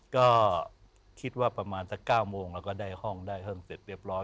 ก็คิดว่าประมาณสัก๙โมงแล้วก็ได้ห้องได้ห้องเสร็จเรียบร้อย